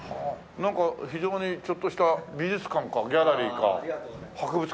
なんか非常にちょっとした美術館かギャラリーか博物館みたいな。